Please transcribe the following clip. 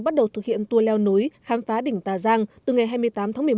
bắt đầu thực hiện tour leo núi khám phá đỉnh tà giang từ ngày hai mươi tám tháng một mươi một